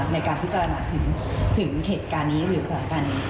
ในการพิจารณาถึงเหตุการณ์นี้หรือสถานการณ์นี้